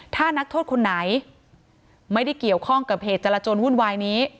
ถ้านักโทษคนไหนไม่ได้เกี่ยวข้องกับเหตุจรจนวุ่นวายนี้